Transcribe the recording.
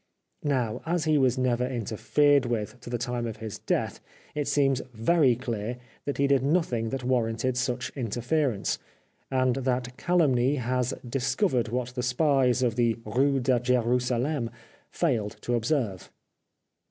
Now, as he was never interfered with to the time of his death, it seems very clear that he did nothing that warranted such interference, and that calumny has dis covered what the spies of the Rue de Jerusalem failed to observe.